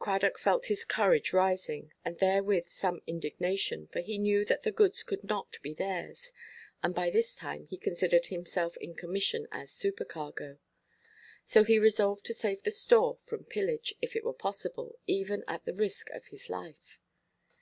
Cradock felt his courage rising, and therewith some indignation, for he knew that the goods could not be theirs, and by this time he considered himself in commission as supercargo. So he resolved to save the store from pillage, if it were possible, even at the risk of his life.